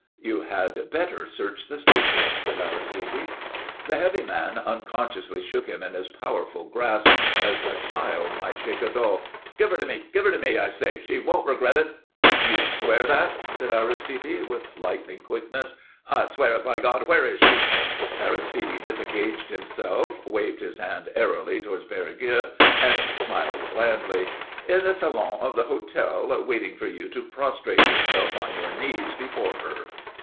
"You had better search the station," said Aristide. The heavy man unconsciously shook him in his powerful grasp, as a child might shake a doll. "Give her to me! Give her to me, I say! She won't regret it." [Illustration: MR. DUCKSMITH SEIZED HIM BY THE LAPELS OF HIS COAT] "You swear that?" asked Aristide, with lightning quickness. "I swear it, by God! Where is she?" Aristide disengaged himself, waved his hand airily towards Perigueux, and smiled blandly. "In the salon of the hotel, waiting for you to prostrate yourself on your knees before her."